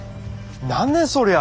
何ねそりゃ！